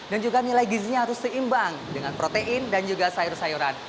dan juga nilai gizinya harus seimbang dengan protein dan juga sayur sayuran